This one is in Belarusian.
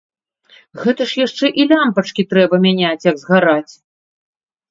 Гэта ж яшчэ і лямпачкі трэба мяняць, як згараць!